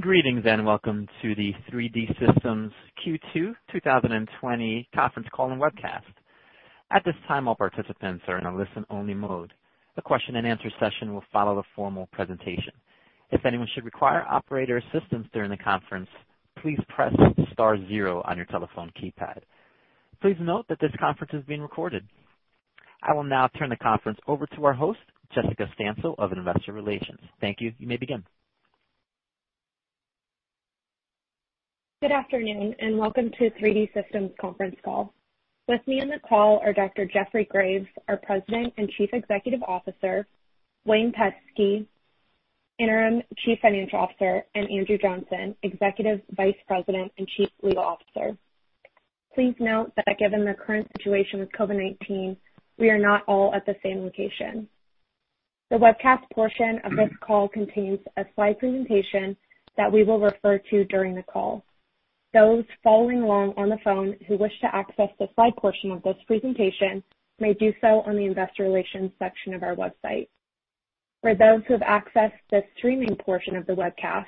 Greetings and welcome to the 3D Systems Q2 2020 conference call and webcast. At this time, all participants are in a listen-only mode. The question-and-answer session will follow a formal presentation. If anyone should require operator assistance during the conference, please press star zero on your telephone keypad. Please note that this conference is being recorded. I will now turn the conference over to our host, Jessica Stancil of Investor Relations. Thank you. You may begin. Good afternoon and welcome to the 3D Systems conference call. With me on the call are Dr. Jeffrey Graves, our President and Chief Executive Officer, Wayne Pensky, Interim Chief Financial Officer, and Andrew Johnson, Executive Vice President and Chief Legal Officer. Please note that given the current situation with COVID-19, we are not all at the same location. The webcast portion of this call contains a slide presentation that we will refer to during the call. Those following along on the phone who wish to access the slide portion of this presentation may do so on the Investor Relations section of our website. For those who have accessed the streaming portion of the webcast,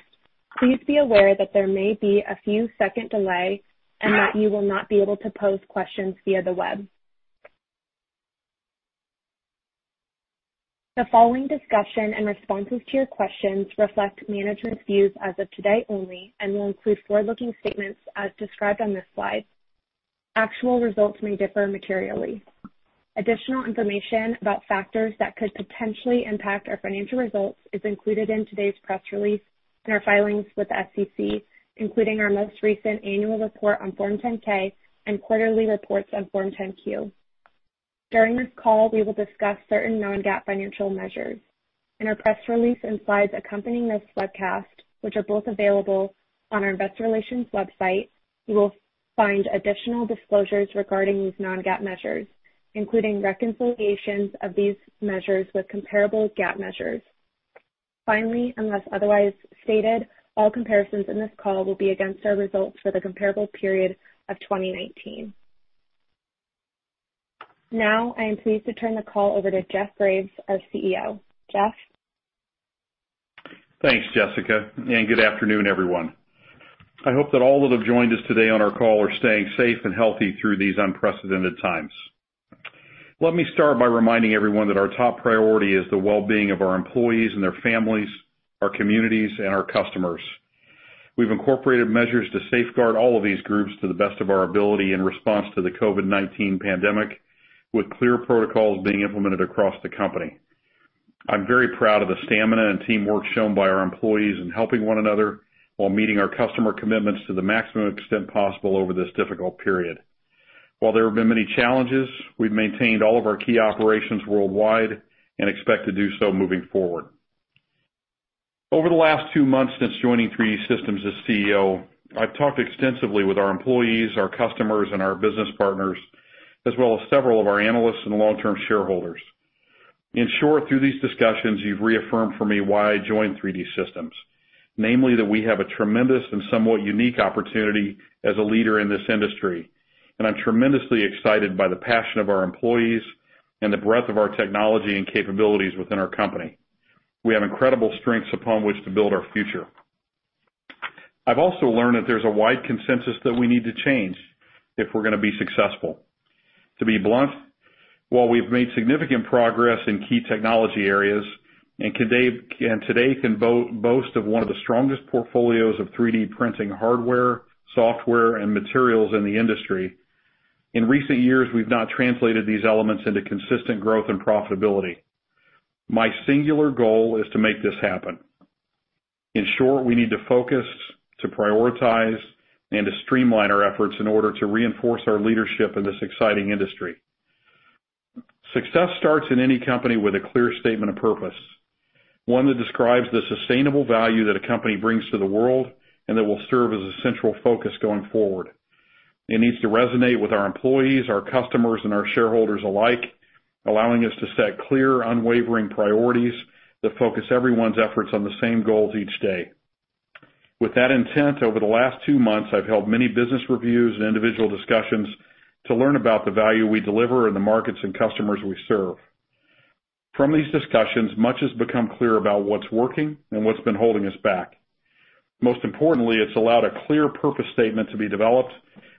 please be aware that there may be a few second delays and that you will not be able to pose questions via the web. The following discussion and responses to your questions reflect management's views as of today only and will include forward-looking statements as described on this slide. Actual results may differ materially. Additional information about factors that could potentially impact our financial results is included in today's press release and our filings with the SEC, including our most recent annual report on Form 10-K and quarterly reports on Form 10-Q. During this call, we will discuss certain non-GAAP financial measures. In our press release and slides accompanying this webcast, which are both available on our Investor Relations website, you will find additional disclosures regarding these non-GAAP measures, including reconciliations of these measures with comparable GAAP measures. Finally, unless otherwise stated, all comparisons in this call will be against our results for the comparable period of 2019. Now, I am pleased to turn the call over to Jeff Graves, our CEO. Jeff? Thanks, Jessica. And good afternoon, everyone. I hope that all that have joined us today on our call are staying safe and healthy through these unprecedented times. Let me start by reminding everyone that our top priority is the well-being of our employees and their families, our communities, and our customers. We've incorporated measures to safeguard all of these groups to the best of our ability in response to the COVID-19 pandemic, with clear protocols being implemented across the company. I'm very proud of the stamina and teamwork shown by our employees in helping one another while meeting our customer commitments to the maximum extent possible over this difficult period. While there have been many challenges, we've maintained all of our key operations worldwide and expect to do so moving forward. Over the last two months since joining 3D Systems as CEO, I've talked extensively with our employees, our customers, and our business partners, as well as several of our analysts and long-term shareholders. In short, through these discussions, you've reaffirmed for me why I joined 3D Systems, namely that we have a tremendous and somewhat unique opportunity as a leader in this industry, and I'm tremendously excited by the passion of our employees and the breadth of our technology and capabilities within our company. We have incredible strengths upon which to build our future. I've also learned that there's a wide consensus that we need to change if we're going to be successful. To be blunt, while we've made significant progress in key technology areas and today can boast of one of the strongest portfolios of 3D printing hardware, software, and materials in the industry, in recent years, we've not translated these elements into consistent growth and profitability. My singular goal is to make this happen. In short, we need to focus, to prioritize, and to streamline our efforts in order to reinforce our leadership in this exciting industry. Success starts in any company with a clear statement of purpose, one that describes the sustainable value that a company brings to the world and that will serve as a central focus going forward. It needs to resonate with our employees, our customers, and our shareholders alike, allowing us to set clear, unwavering priorities that focus everyone's efforts on the same goals each day. With that intent, over the last two months, I've held many business reviews and individual discussions to learn about the value we deliver in the markets and customers we serve. From these discussions, much has become clear about what's working and what's been holding us back. Most importantly, it's allowed a clear purpose statement to be developed,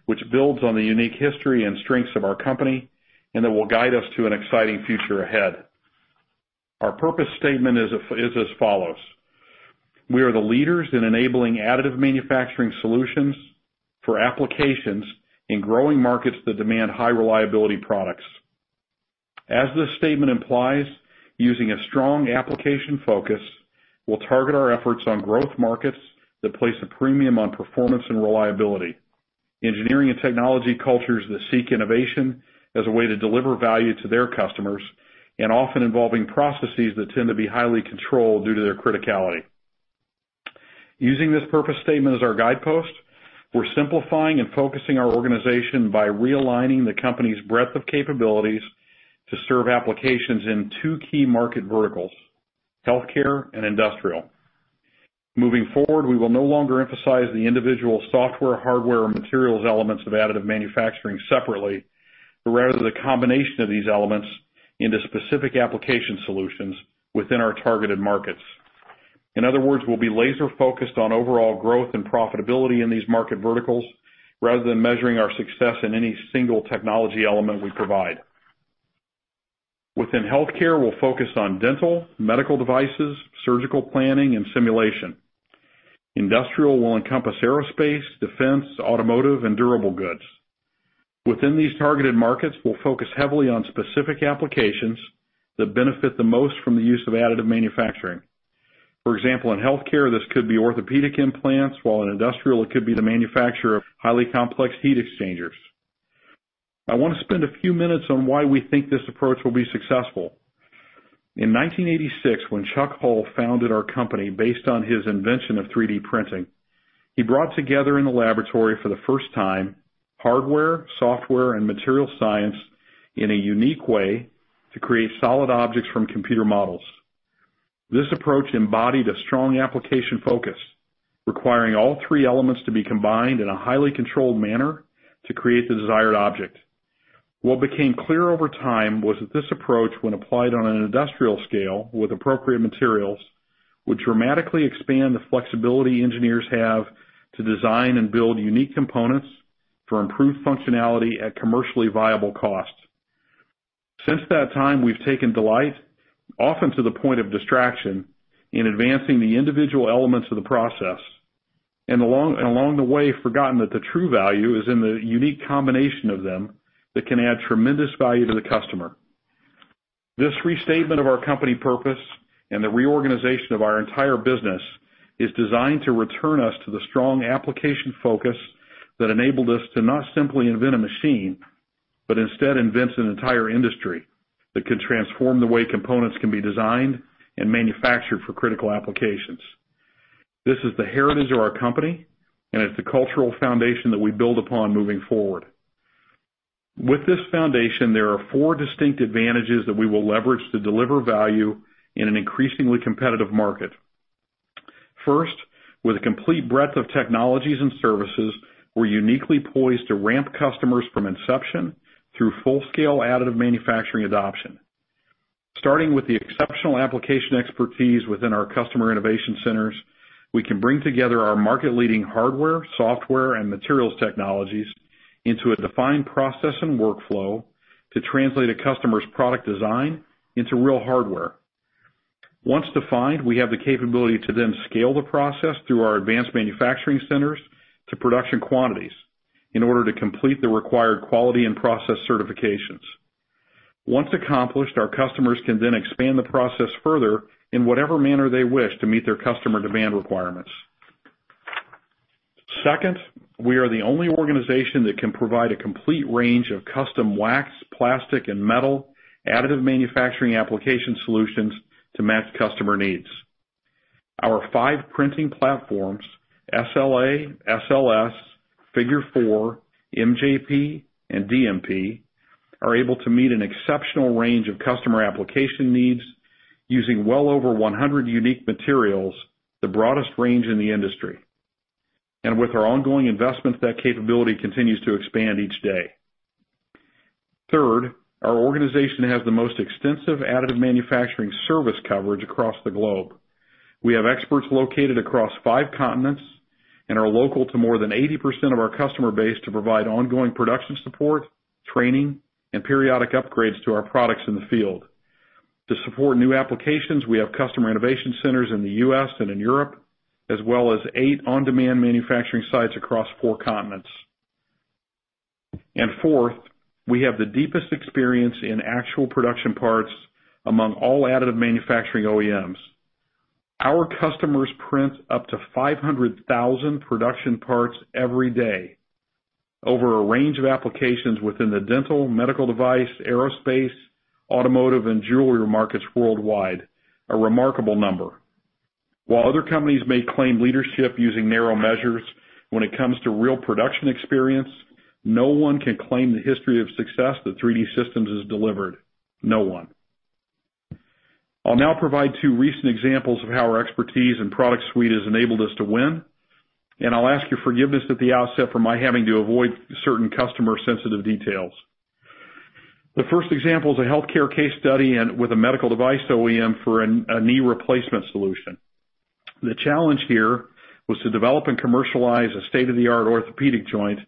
which builds on the unique history and strengths of our company and that will guide us to an exciting future ahead. Our purpose statement is as follows: We are the leaders in enabling additive manufacturing solutions for applications in growing markets that demand high-reliability products. As this statement implies, using a strong application focus will target our efforts on growth markets that place a premium on performance and reliability, engineering and technology cultures that seek innovation as a way to deliver value to their customers, and often involving processes that tend to be highly controlled due to their criticality. Using this purpose statement as our guidepost, we're simplifying and focusing our organization by realigning the company's breadth of capabilities to serve applications in two key market verticals: healthcare and industrial. Moving forward, we will no longer emphasize the individual software, hardware, and materials elements of additive manufacturing separately, but rather the combination of these elements into specific application solutions within our targeted markets. In other words, we'll be laser-focused on overall growth and profitability in these market verticals rather than measuring our success in any single technology element we provide. Within healthcare, we'll focus on dental, medical devices, surgical planning, and simulation. Industrial will encompass aerospace, defense, automotive, and durable goods. Within these targeted markets, we'll focus heavily on specific applications that benefit the most from the use of additive manufacturing. For example, in healthcare, this could be orthopedic implants, while in industrial, it could be the manufacture of highly complex heat exchangers. I want to spend a few minutes on why we think this approach will be successful. In 1986, when Chuck Hull founded our company based on his invention of 3D printing, he brought together in the laboratory for the first time hardware, software, and material science in a unique way to create solid objects from computer models. This approach embodied a strong application focus, requiring all three elements to be combined in a highly controlled manner to create the desired object. What became clear over time was that this approach, when applied on an industrial scale with appropriate materials, would dramatically expand the flexibility engineers have to design and build unique components for improved functionality at commercially viable cost. Since that time, we've taken delight, often to the point of distraction, in advancing the individual elements of the process, and along the way forgotten that the true value is in the unique combination of them that can add tremendous value to the customer. This restatement of our company purpose and the reorganization of our entire business is designed to return us to the strong application focus that enabled us to not simply invent a machine, but instead invent an entire industry that can transform the way components can be designed and manufactured for critical applications. This is the heritage of our company, and it's the cultural foundation that we build upon moving forward. With this foundation, there are four distinct advantages that we will leverage to deliver value in an increasingly competitive market. First, with a complete breadth of technologies and services, we're uniquely poised to ramp customers from inception through full-scale additive manufacturing adoption. Starting with the exceptional application expertise within our Customer Innovation Centers, we can bring together our market-leading hardware, software, and materials technologies into a defined process and workflow to translate a customer's product design into real hardware. Once defined, we have the capability to then scale the process through our Advanced Manufacturing Centers to production quantities in order to complete the required quality and process certifications. Once accomplished, our customers can then expand the process further in whatever manner they wish to meet their customer demand requirements. Second, we are the only organization that can provide a complete range of custom wax, plastic, and metal additive manufacturing application solutions to match customer needs. Our five printing platforms, SLA, SLS, Figure 4, MJP, and DMP, are able to meet an exceptional range of customer application needs using well over 100 unique materials, the broadest range in the industry. And with our ongoing investments, that capability continues to expand each day. Third, our organization has the most extensive additive manufacturing service coverage across the globe. We have experts located across five continents and are local to more than 80% of our customer base to provide ongoing production support, training, and periodic upgrades to our products in the field. To support new applications, we have Customer Innovation Centers in the U.S. and in Europe, as well as eight On Demand Manufacturing sites across four continents. Fourth, we have the deepest experience in actual production parts among all additive manufacturing OEMs. Our customers print up to 500,000 production parts every day over a range of applications within the dental, medical device, aerospace, automotive, and jewelry markets worldwide, a remarkable number. While other companies may claim leadership using narrow measures when it comes to real production experience, no one can claim the history of success that 3D Systems has delivered. No one. I'll now provide two recent examples of how our expertise and product suite has enabled us to win, and I'll ask your forgiveness at the outset for my having to avoid certain customer-sensitive details. The first example is a healthcare case study with a medical device OEM for a knee replacement solution. The challenge here was to develop and commercialize a state-of-the-art orthopedic joint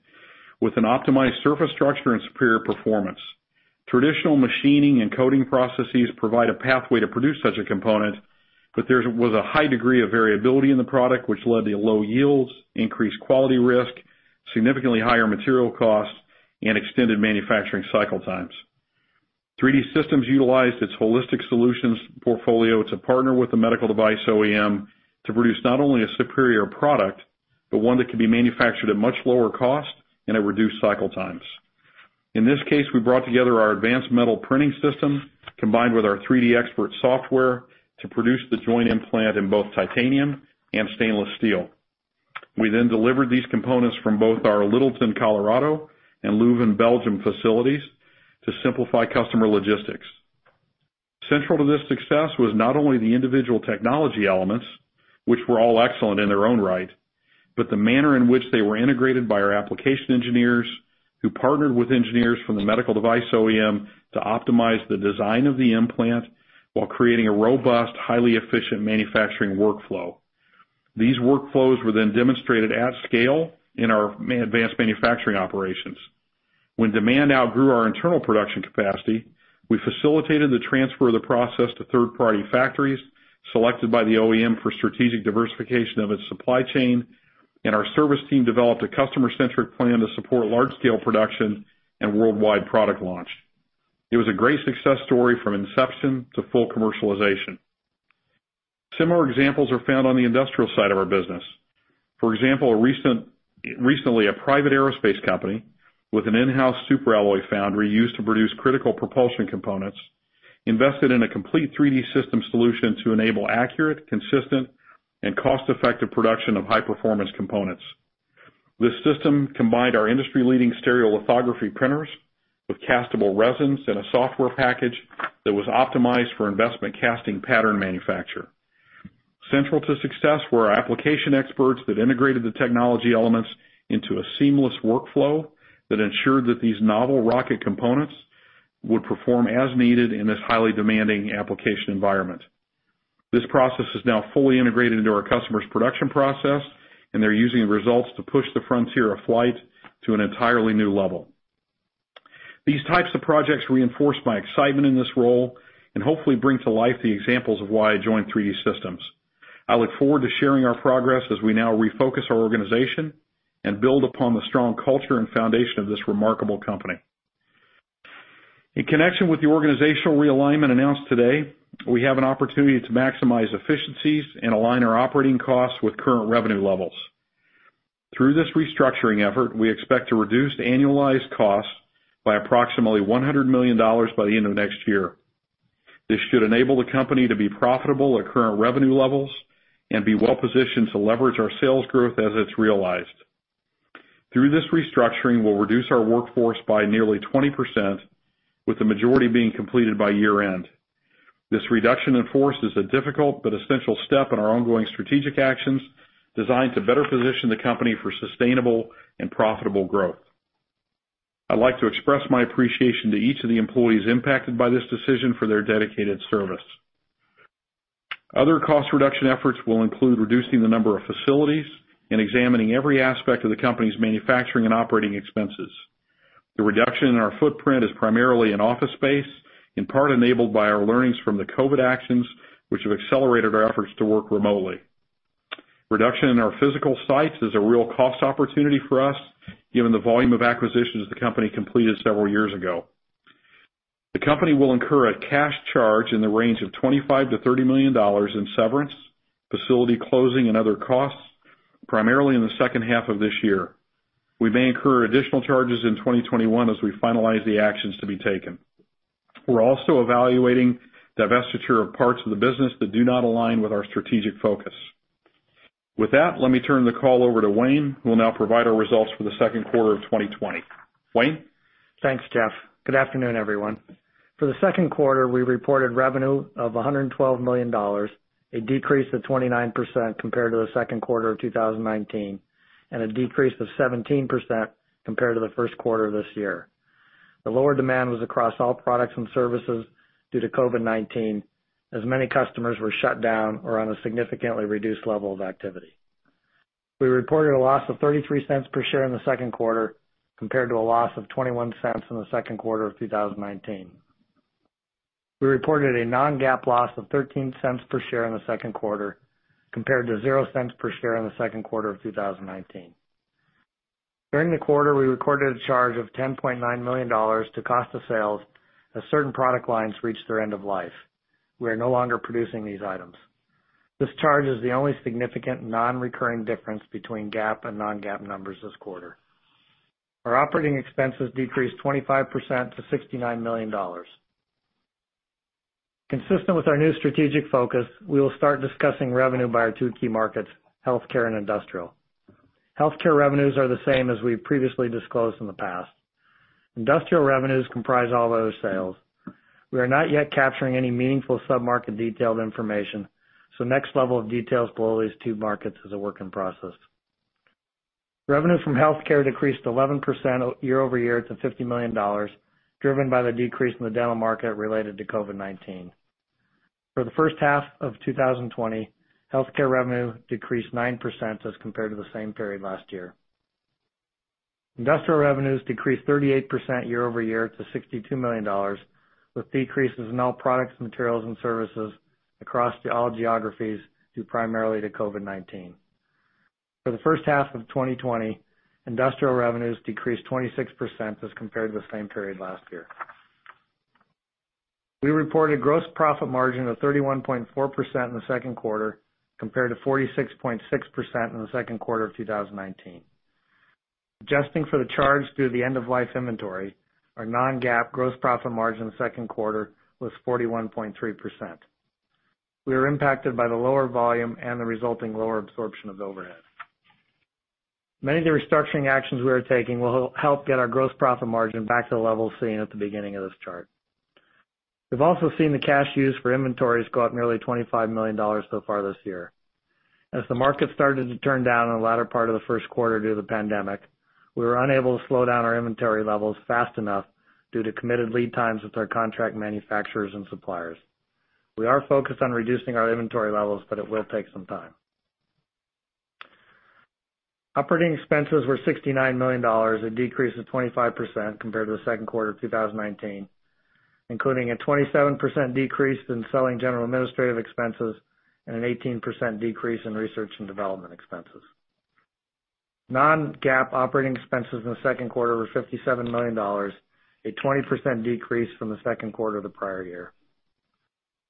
with an optimized surface structure and superior performance. Traditional machining and coating processes provide a pathway to produce such a component, but there was a high degree of variability in the product, which led to low yields, increased quality risk, significantly higher material costs, and extended manufacturing cycle times. 3D Systems utilized its holistic solutions portfolio to partner with the medical device OEM to produce not only a superior product, but one that can be manufactured at much lower cost and at reduced cycle times. In this case, we brought together our advanced metal printing system combined with our 3D Expert software to produce the joint implant in both titanium and stainless steel. We then delivered these components from both our Littleton, Colorado, and Leuven, Belgium facilities to simplify customer logistics. Central to this success was not only the individual technology elements, which were all excellent in their own right, but the manner in which they were integrated by our application engineers who partnered with engineers from the medical device OEM to optimize the design of the implant while creating a robust, highly efficient manufacturing workflow. These workflows were then demonstrated at scale in our advanced manufacturing operations. When demand outgrew our internal production capacity, we facilitated the transfer of the process to third-party factories selected by the OEM for strategic diversification of its supply chain, and our service team developed a customer-centric plan to support large-scale production and worldwide product launch. It was a great success story from inception to full commercialization. Similar examples are found on the industrial side of our business. For example, recently, a private aerospace company with an in-house superalloy foundry used to produce critical propulsion components invested in a complete 3D Systems solution to enable accurate, consistent, and cost-effective production of high-performance components. This system combined our industry-leading stereolithography printers with castable resins and a software package that was optimized for investment casting pattern manufacture. Central to success were our application experts that integrated the technology elements into a seamless workflow that ensured that these novel rocket components would perform as needed in this highly demanding application environment. This process is now fully integrated into our customer's production process, and they're using the results to push the frontier of flight to an entirely new level. These types of projects reinforce my excitement in this role and hopefully bring to life the examples of why I joined 3D Systems. I look forward to sharing our progress as we now refocus our organization and build upon the strong culture and foundation of this remarkable company. In connection with the organizational realignment announced today, we have an opportunity to maximize efficiencies and align our operating costs with current revenue levels. Through this restructuring effort, we expect to reduce annualized costs by approximately $100 million by the end of next year. This should enable the company to be profitable at current revenue levels and be well-positioned to leverage our sales growth as it's realized. Through this restructuring, we'll reduce our workforce by nearly 20%, with the majority being completed by year-end. This reduction in force is a difficult but essential step in our ongoing strategic actions designed to better position the company for sustainable and profitable growth. I'd like to express my appreciation to each of the employees impacted by this decision for their dedicated service. Other cost reduction efforts will include reducing the number of facilities and examining every aspect of the company's manufacturing and operating expenses. The reduction in our footprint is primarily in office space, in part enabled by our learnings from the COVID actions, which have accelerated our efforts to work remotely. Reduction in our physical sites is a real cost opportunity for us, given the volume of acquisitions the company completed several years ago. The company will incur a cash charge in the range of $25-$30 million in severance, facility closing, and other costs, primarily in the second half of this year. We may incur additional charges in 2021 as we finalize the actions to be taken. We're also evaluating the divestiture of parts of the business that do not align with our strategic focus. With that, let me turn the call over to Wayne, who will now provide our results for the second quarter of 2020. Wayne? Thanks, Jeff. Good afternoon, everyone. For the second quarter, we reported revenue of $112 million, a decrease of 29% compared to the second quarter of 2019, and a decrease of 17% compared to the first quarter of this year. The lower demand was across all products and services due to COVID-19, as many customers were shut down or on a significantly reduced level of activity. We reported a loss of $0.33 per share in the second quarter compared to a loss of $0.21 in the second quarter of 2019. We reported a non-GAAP loss of $0.13 per share in the second quarter compared to $0.00 per share in the second quarter of 2019. During the quarter, we recorded a charge of $10.9 million to cost of sales as certain product lines reached their end of life. We are no longer producing these items. This charge is the only significant non-recurring difference between GAAP and non-GAAP numbers this quarter. Our operating expenses decreased 25% to $69 million. Consistent with our new strategic focus, we will start discussing revenue by our two key markets, healthcare and industrial. Healthcare revenues are the same as we've previously disclosed in the past. Industrial revenues comprise all those sales. We are not yet capturing any meaningful sub-market detailed information, so next level of details below these two markets is a work in process. Revenue from healthcare decreased 11% year-over-year to $50 million, driven by the decrease in the dental market related to COVID-19. For the first half of 2020, healthcare revenue decreased 9% as compared to the same period last year. Industrial revenues decreased 38% year-over-year to $62 million, with decreases in all products, materials, and services across all geographies due primarily to COVID-19. For the first half of 2020, industrial revenues decreased 26% as compared to the same period last year. We reported a gross profit margin of 31.4% in the second quarter compared to 46.6% in the second quarter of 2019. Adjusting for the charge due to the end-of-life inventory, our non-GAAP gross profit margin in the second quarter was 41.3%. We were impacted by the lower volume and the resulting lower absorption of overhead. Many of the restructuring actions we are taking will help get our gross profit margin back to the level seen at the beginning of this chart. We've also seen the cash used for inventories go up nearly $25 million so far this year. As the market started to turn down in the latter part of the first quarter due to the pandemic, we were unable to slow down our inventory levels fast enough due to committed lead times with our contract manufacturers and suppliers. We are focused on reducing our inventory levels, but it will take some time. Operating expenses were $69 million, a decrease of 25% compared to the second quarter of 2019, including a 27% decrease in selling, general, and administrative expenses and an 18% decrease in research and development expenses. Non-GAAP operating expenses in the second quarter were $57 million, a 20% decrease from the second quarter of the prior year.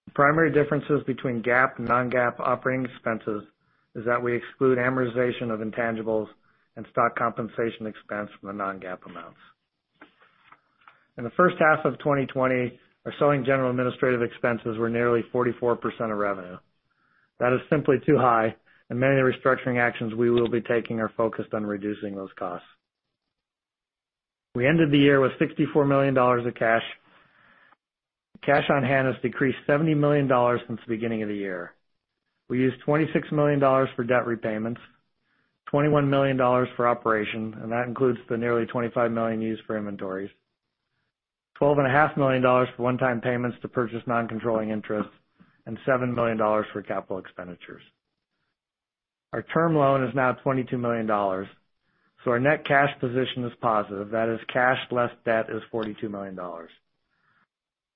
The primary differences between GAAP and non-GAAP operating expenses is that we exclude amortization of intangibles and stock compensation expense from the non-GAAP amounts. In the first half of 2020, our selling, general, and administrative expenses were nearly 44% of revenue. That is simply too high, and many of the restructuring actions we will be taking are focused on reducing those costs. We ended the year with $64 million of cash. Cash on hand has decreased $70 million since the beginning of the year. We used $26 million for debt repayments, $21 million for operations, and that includes the nearly $25 million used for inventories, $12.5 million for one-time payments to purchase non-controlling interest, and $7 million for capital expenditures. Our term loan is now $22 million, so our net cash position is positive. That is, cash less debt is $42 million.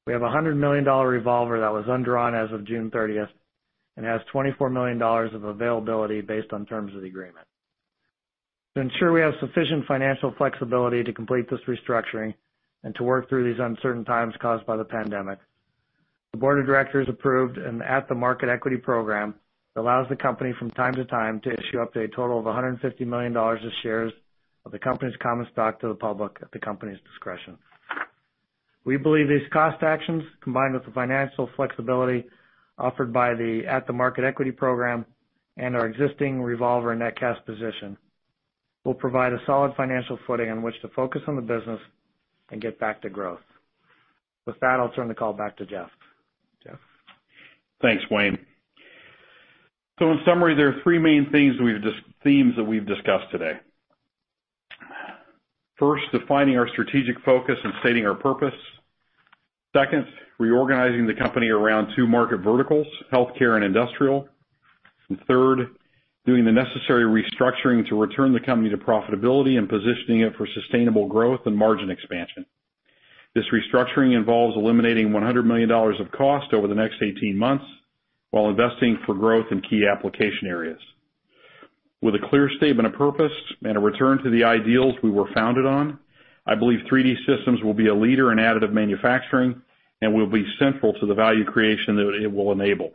We have a $100 million revolver that was undrawn as of June 30th and has $24 million of availability based on terms of the agreement. To ensure we have sufficient financial flexibility to complete this restructuring and to work through these uncertain times caused by the pandemic, the Board of Directors approved an at-the-market equity program that allows the company from time to time to issue up to a total of $150 million of shares of the company's common stock to the public at the company's discretion. We believe these cost actions, combined with the financial flexibility offered by the at-the-market equity program and our existing revolver and net cash position, will provide a solid financial footing on which to focus on the business and get back to growth. With that, I'll turn the call back to Jeff. Jeff? Thanks, Wayne. So in summary, there are three main themes that we've discussed today. First, defining our strategic focus and stating our purpose. Second, reorganizing the company around two market verticals, healthcare and industrial. And third, doing the necessary restructuring to return the company to profitability and positioning it for sustainable growth and margin expansion. This restructuring involves eliminating $100 million of cost over the next 18 months while investing for growth in key application areas. With a clear statement of purpose and a return to the ideals we were founded on, I believe 3D Systems will be a leader in additive manufacturing and will be central to the value creation that it will enable.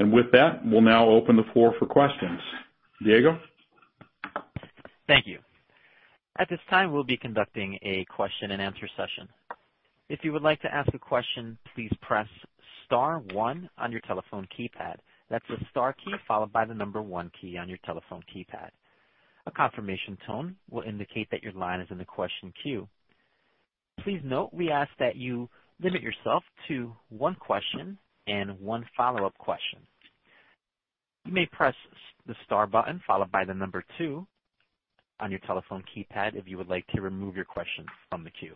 And with that, we'll now open the floor for questions. Diego? Thank you. At this time, we'll be conducting a question-and-answer session. If you would like to ask a question, please press star one on your telephone keypad. That's the star key followed by the number one key on your telephone keypad. A confirmation tone will indicate that your line is in the question queue. Please note we ask that you limit yourself to one question and one follow-up question. You may press the star button followed by the number two on your telephone keypad if you would like to remove your question from the queue.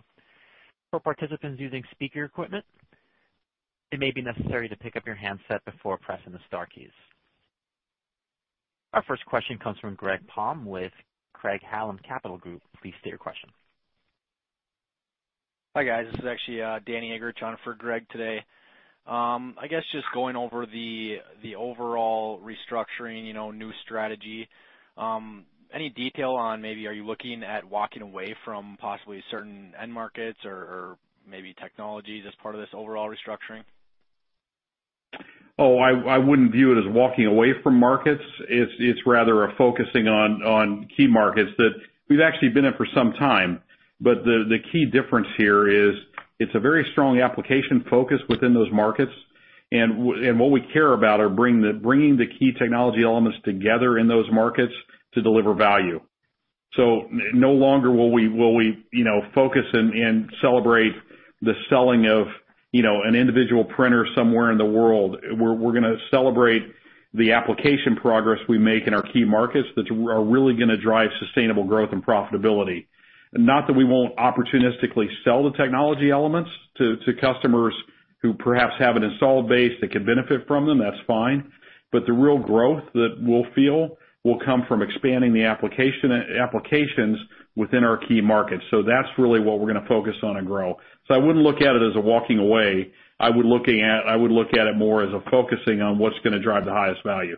For participants using speaker equipment, it may be necessary to pick up your handset before pressing the star keys. Our first question comes from Greg Palm with Craig-Hallum Capital Group. Please state your question. Hi, guys. This is actually Danny Egger, joining for Greg today. I guess just going over the overall restructuring, new strategy. Any detail on maybe are you looking at walking away from possibly certain end markets or maybe technologies as part of this overall restructuring? Oh, I wouldn't view it as walking away from markets. It's rather focusing on key markets that we've actually been at for some time. But the key difference here is it's a very strong application focus within those markets. And what we care about are bringing the key technology elements together in those markets to deliver value. So no longer will we focus and celebrate the selling of an individual printer somewhere in the world. We're going to celebrate the application progress we make in our key markets that are really going to drive sustainable growth and profitability. Not that we won't opportunistically sell the technology elements to customers who perhaps have an installed base that could benefit from them. That's fine. But the real growth that we'll feel will come from expanding the applications within our key markets. So that's really what we're going to focus on and grow. So I wouldn't look at it as a walking away. I would look at it more as focusing on what's going to drive the highest value.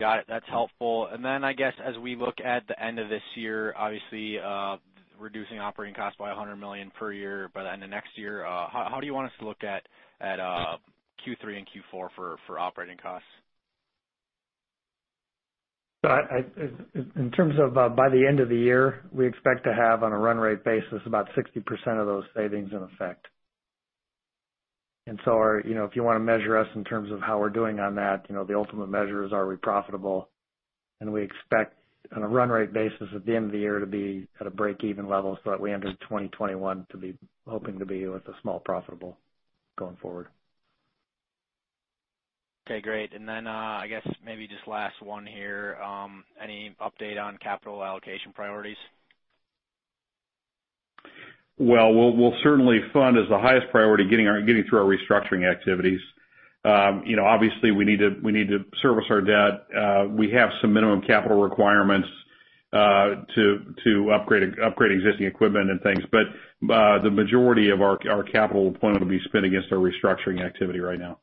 Got it. That's helpful. And then I guess as we look at the end of this year, obviously reducing operating costs by $100 million per year by the end of next year, how do you want us to look at Q3 and Q4 for operating costs? So in terms of by the end of the year, we expect to have on a run rate basis about 60% of those savings in effect. And so if you want to measure us in terms of how we're doing on that, the ultimate measure is are we profitable? And we expect on a run rate basis at the end of the year to be at a break-even level so that we enter 2021 hoping to be with a small profitable going forward. Okay. Great. And then I guess maybe just last one here. Any update on capital allocation priorities? We'll certainly fund as the highest priority getting through our restructuring activities. Obviously, we need to service our debt. We have some minimum capital requirements to upgrade existing equipment and things. But the majority of our capital will be spent against our restructuring activity right now.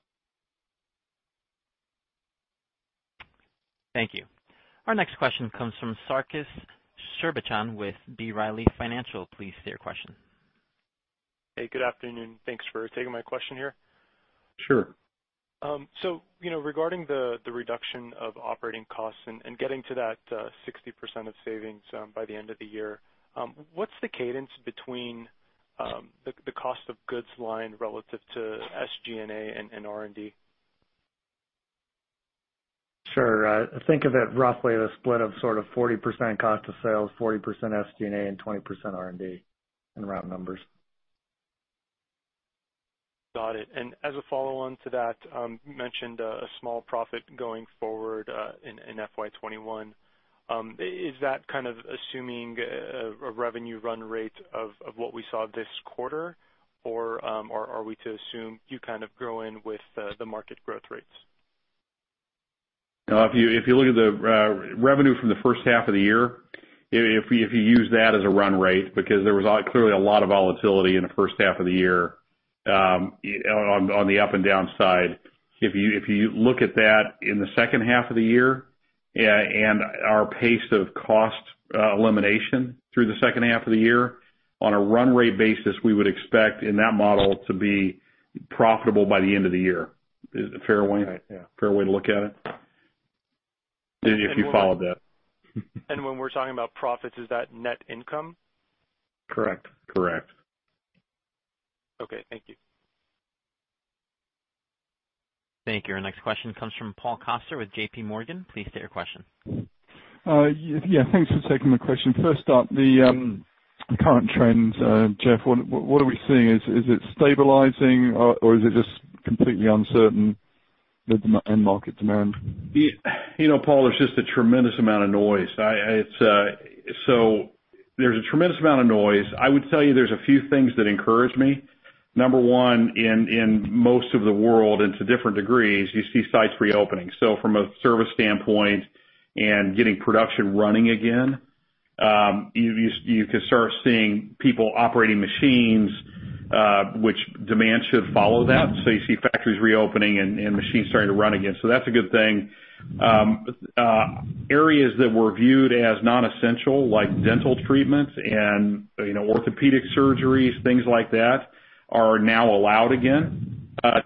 Thank you. Our next question comes from Sarkis Sherbetchyan with B. Riley Securities. Please state your question. Hey, good afternoon. Thanks for taking my question here. Sure. So regarding the reduction of operating costs and getting to that 60% of savings by the end of the year, what's the cadence between the cost of goods line relative to SG&A and R&D? Sure. Think of it roughly as a split of sort of 40% cost of sales, 40% SG&A, and 20% R&D in round numbers. Got it. And as a follow-on to that, you mentioned a small profit going forward in FY21. Is that kind of assuming a revenue run rate of what we saw this quarter, or are we to assume you kind of go in with the market growth rates? If you look at the revenue from the first half of the year, if you use that as a run rate, because there was clearly a lot of volatility in the first half of the year on the up and down side. If you look at that in the second half of the year and our pace of cost elimination through the second half of the year, on a run rate basis, we would expect in that model to be profitable by the end of the year. Is it a fair way? Right. Fair way to look at it if you followed that. When we're talking about profits, is that net income? Correct. Correct. Okay. Thank you. Thank you. Our next question comes from Paul Coster with J.P. Morgan. Please state your question. Yeah. Thanks for taking my question. First off, the current trends, Jeff, what are we seeing? Is it stabilizing, or is it just completely uncertain end market demand? Paul, there's just a tremendous amount of noise, so there's a tremendous amount of noise. I would tell you there's a few things that encourage me. Number one, in most of the world, and to different degrees, you see sites reopening, so from a service standpoint and getting production running again, you can start seeing people operating machines, which demand should follow that, so you see factories reopening and machines starting to run again, so that's a good thing. Areas that were viewed as non-essential, like dental treatments and orthopedic surgeries, things like that, are now allowed again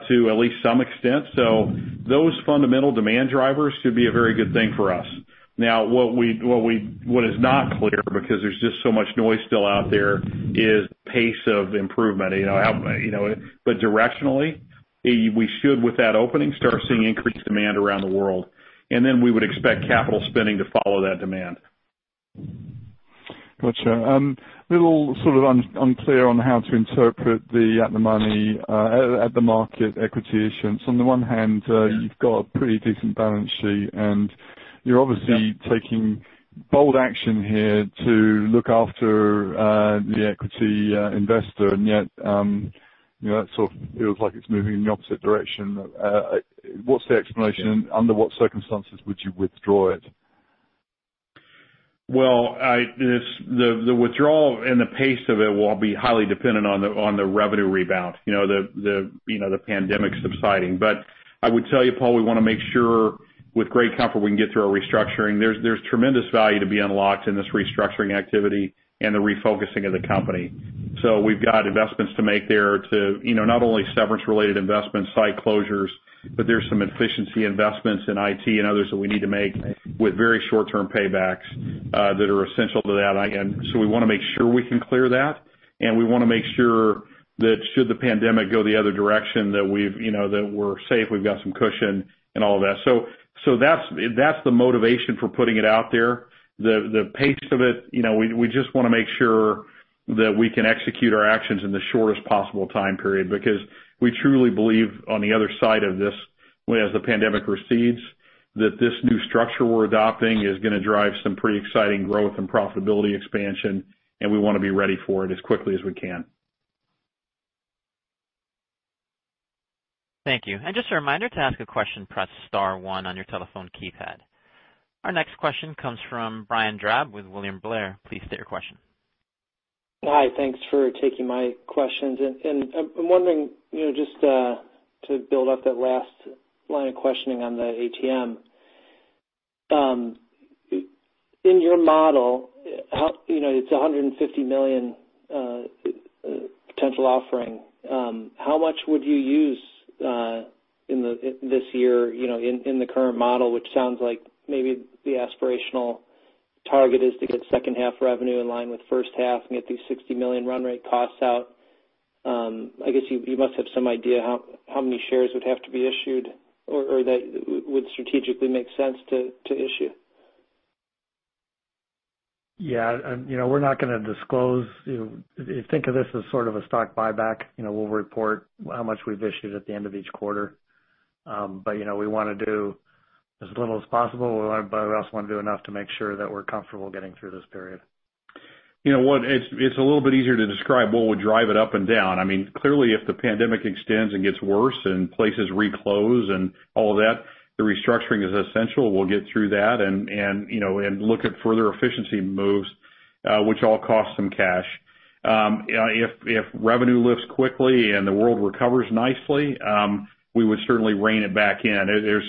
to at least some extent, so those fundamental demand drivers should be a very good thing for us. Now, what is not clear, because there's just so much noise still out there, is the pace of improvement, but directionally, we should, with that opening, start seeing increased demand around the world. We would expect capital spending to follow that demand. Gotcha. A little sort of unclear on how to interpret the market equity issuance. On the one hand, you've got a pretty decent balance sheet, and you're obviously taking bold action here to look after the equity investor. And yet that sort of feels like it's moving in the opposite direction. What's the explanation? Under what circumstances would you withdraw it? The withdrawal and the pace of it will be highly dependent on the revenue rebound, the pandemic subsiding, but I would tell you, Paul, we want to make sure with great comfort we can get through our restructuring. There's tremendous value to be unlocked in this restructuring activity and the refocusing of the company, so we've got investments to make there to not only severance-related investments, site closures, but there's some efficiency investments in IT and others that we need to make with very short-term paybacks that are essential to that, so we want to make sure we can clear that, and we want to make sure that should the pandemic go the other direction, that we're safe, we've got some cushion, and all of that, so that's the motivation for putting it out there. The pace of it, we just want to make sure that we can execute our actions in the shortest possible time period because we truly believe on the other side of this, as the pandemic recedes, that this new structure we're adopting is going to drive some pretty exciting growth and profitability expansion, and we want to be ready for it as quickly as we can. Thank you, and just a reminder to ask a question, press star one on your telephone keypad. Our next question comes from Brian Drab with William Blair. Please state your question. Hi. Thanks for taking my questions. And I'm wondering, just to build up that last line of questioning on the ATM, in your model, it's $150 million potential offering. How much would you use this year in the current model, which sounds like maybe the aspirational target is to get second-half revenue in line with first half and get these $60 million run rate costs out? I guess you must have some idea how many shares would have to be issued or that would strategically make sense to issue. Yeah. We're not going to disclose. Think of this as sort of a stock buyback. We'll report how much we've issued at the end of each quarter. But we want to do as little as possible, but we also want to do enough to make sure that we're comfortable getting through this period. You know what? It's a little bit easier to describe what would drive it up and down. I mean, clearly, if the pandemic extends and gets worse and places reclose and all of that, the restructuring is essential. We'll get through that and look at further efficiency moves, which all cost some cash. If revenue lifts quickly and the world recovers nicely, we would certainly rein it back in.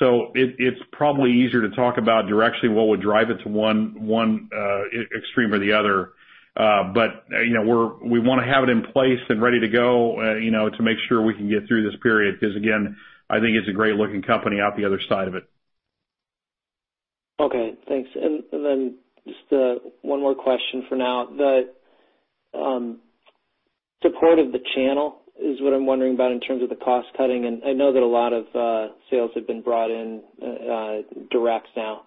So it's probably easier to talk about directionally what would drive it to one extreme or the other. But we want to have it in place and ready to go to make sure we can get through this period because, again, I think it's a great-looking company out the other side of it. Okay. Thanks, and then just one more question for now. The support of the channel is what I'm wondering about in terms of the cost cutting, and I know that a lot of sales have been brought in direct now,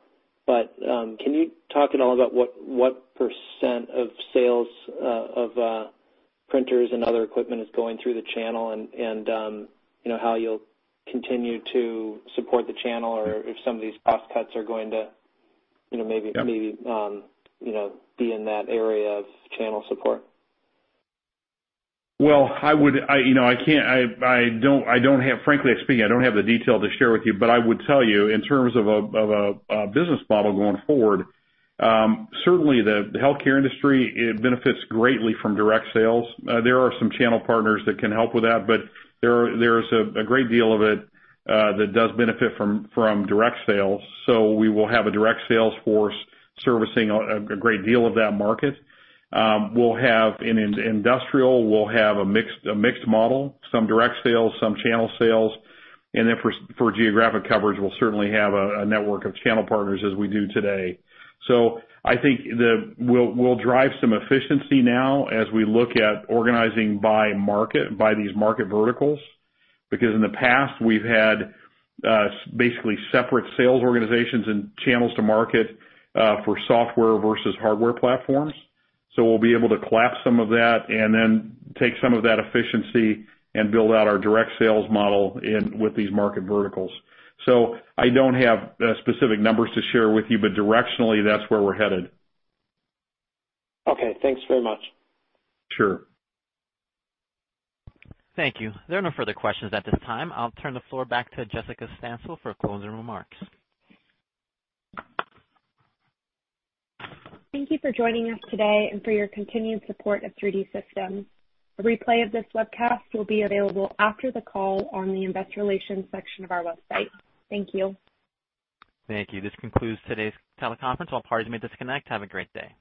but can you talk at all about what percent of sales of printers and other equipment is going through the channel and how you'll continue to support the channel or if some of these cost cuts are going to maybe be in that area of channel support? Well, I don't have, frankly speaking, I don't have the detail to share with you. But I would tell you, in terms of a business model going forward, certainly the healthcare industry benefits greatly from direct sales. There are some channel partners that can help with that. But there's a great deal of it that does benefit from direct sales. So we will have a direct sales force servicing a great deal of that market. We'll have an industrial. We'll have a mixed model, some direct sales, some channel sales. And then for geographic coverage, we'll certainly have a network of channel partners as we do today. So I think we'll drive some efficiency now as we look at organizing by market, by these market verticals, because in the past, we've had basically separate sales organizations and channels to market for software versus hardware platforms. We'll be able to collapse some of that and then take some of that efficiency and build out our direct sales model with these market verticals. I don't have specific numbers to share with you, but directionally, that's where we're headed. Okay. Thanks very much. Sure. Thank you. There are no further questions at this time. I'll turn the floor back to Jessica Stancil for closing remarks. Thank you for joining us today and for your continued support of 3D Systems. A replay of this webcast will be available after the call on the investor relations section of our website. Thank you. Thank you. This concludes today's teleconference. All parties may disconnect. Have a great day.